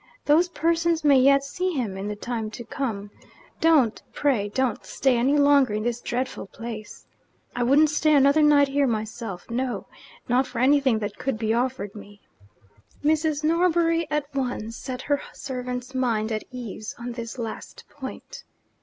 Those persons may yet see him in the time to come. Don't, pray don't stay any longer in this dreadful place! I wouldn't stay another night here myself no, not for anything that could be offered me!' Mrs. Norbury at once set her servant's mind at ease on this last point.